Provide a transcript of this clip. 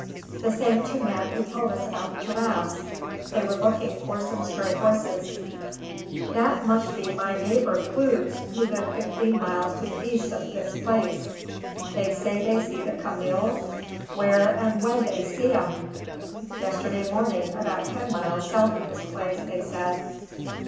"The same two men who told us about the giraffes. They were looking for some stray horses." "Dat mush be mine neighbour Cloots, who live fifteen miles to the east of thish place. They say they see the cameels. Where an' when they see 'em?" "Yesterday morning, about ten miles south of this place, they said."